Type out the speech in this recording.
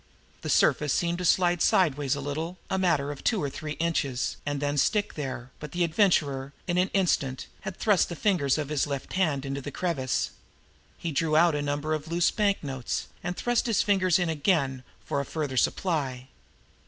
The surface seemed to slide sideways a little way, a matter of two or three inches, and then stick there; but the Adventurer, in an instant, had thrust the fingers of his left hand into the crevice. He drew out a number of loose banknotes, and thrust his fingers in again for a further supply.